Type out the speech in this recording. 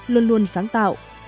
luôn luôn sáng tạo